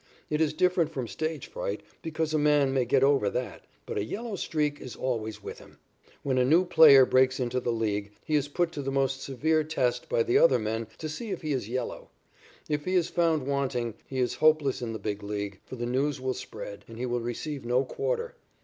It is different from stage fright, because a man may get over that, but a "yellow streak" is always with him. When a new player breaks into the League, he is put to the most severe test by the other men to see if he is "yellow." If he is found wanting, he is hopeless in the Big League, for the news will spread, and he will receive no quarter.